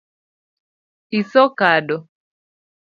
Iso kado